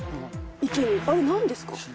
池にあれ何ですか？